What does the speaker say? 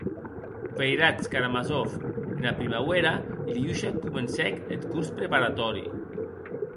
Veiratz, Karamazov, ena primauèra Iliusha comencèc eth cors preparatòri.